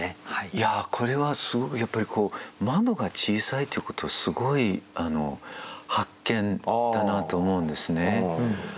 いやこれはやっぱり窓が小さいということすごい発見だなと思うんですね。